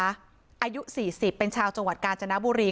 อายุสี่สิบเป็นชาวจังหวัดกาญจนบรี